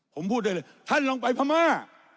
ผมพูดได้เลยท่านลองไปพม่า